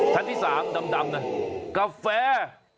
ชั้นที่๓ดำนะกาแฟ